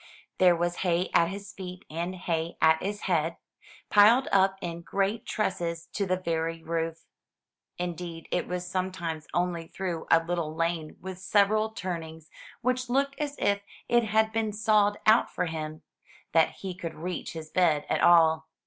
There was hay at his feet and hay at his head, piled up in great trusses to the very roof. Indeed it was sometimes only through a little lane with several turnings, which looked as if it had been sawed out for him, that he could reach his bed at all.